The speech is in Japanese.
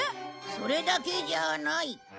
それだけじゃない。